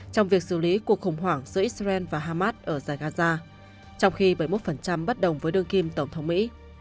trong việc xử lý cuộc khủng hoảng giữa israel và hamas ở giải gaza trong khi bảy mươi một bất đồng với đương kim tổng thống mỹ